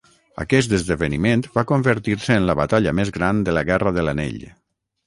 Aquest esdeveniment va convertir-se en la batalla més gran de la Guerra de l'Anell.